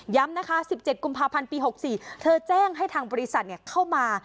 นะคะ๑๗กุมภาพันธ์ปี๖๔เธอแจ้งให้ทางบริษัทเข้ามา